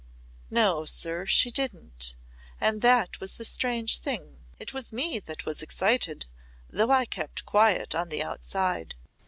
"No, sir, she didn't. That was the strange thing. It was me that was excited though I kept quiet on the outside.